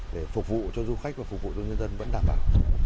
để phục vụ cho du khách và phục vụ cho nhân dân vẫn đảm bảo